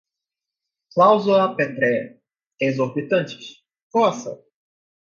cláusula pétrea, exorbitantes, coação